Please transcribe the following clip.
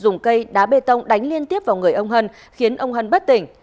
dùng cây đá bê tông đánh liên tiếp vào người ông hân khiến ông hân bất tỉnh